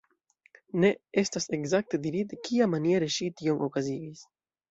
Ne estas ekzakte dirite kiamaniere ŝi tion okazigis.